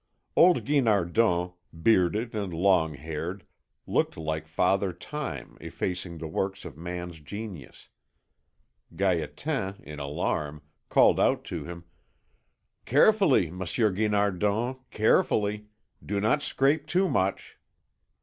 Old Guinardon, bearded and long haired, looked like Father Time effacing the works of man's genius. Gaétan, in alarm, called out to him: "Carefully, Monsieur Guinardon, carefully. Do not scrape too much."